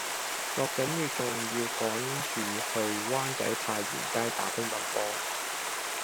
落緊雨仲要趕住去灣仔太原街打乒乓波